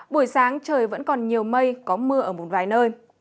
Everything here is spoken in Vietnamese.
buổi sáng trời vẫn còn nhiều mây có mưa ở một vài nơi